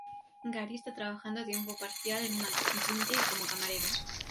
Gary está trabajando a tiempo parcial en McGinty como camarero.